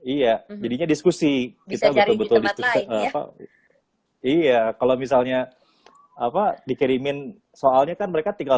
iya jadinya diskusi kita betul betul diskusi apa iya kalau misalnya apa dikirimin soalnya kan mereka tinggal